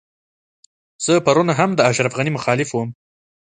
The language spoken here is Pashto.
زه پرون هم د اشرف غني مخالف وم.